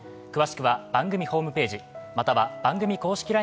詳しくは番組ホームページ、または番組公式